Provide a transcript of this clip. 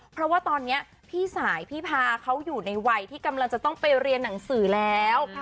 เพราะว่าตอนนี้พี่สายพี่พาเขาอยู่ในวัยที่กำลังจะต้องไปเรียนหนังสือแล้ว